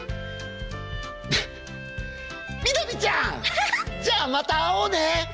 南ちゃんじゃあまた会おうね！